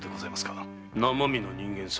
生身の人間さ。